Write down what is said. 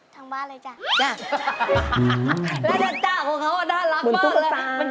ทางบ้านเลยจ้ะก้ินทางบ้าน